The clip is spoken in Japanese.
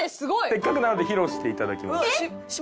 せっかくなので披露していただきます。